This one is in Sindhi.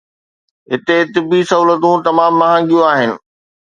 هتي طبي سهولتون تمام مهانگيون آهن.